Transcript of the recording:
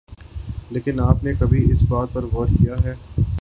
لیکن آپ نے کبھی اس بات پر غور کیا ہے